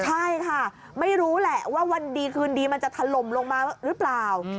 ใช่ค่ะไม่รู้แหละว่าวันดีคืนดีมันจะถล่มลงมาหรือเปล่า